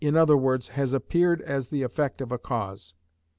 _, has appeared as the effect of a cause.